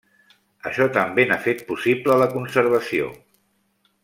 Això també n'ha fet possible la conservació.